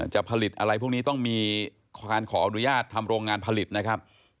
จะผลิตอะไรพวกนี้ต้องมีการขออนุญาตทำโรงงานผลิตนะครับ